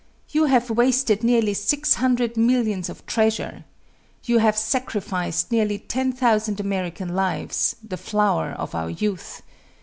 You have wasted nearly six hundred millions of treasure. You have sacrificed nearly ten thousand American lives the flower of our youth.